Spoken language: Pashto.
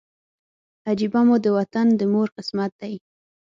عجیبه مو د وطن د مور قسمت دی